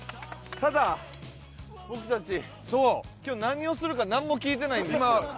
ただ、僕たち今日何をするか何も聞いてないんですよ。